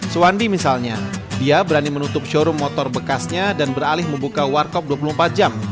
suwandi misalnya dia berani menutup showroom motor bekasnya dan beralih membuka warkop dua puluh empat jam